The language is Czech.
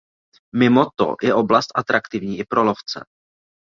Mimo to je oblast atraktivní i pro lovce.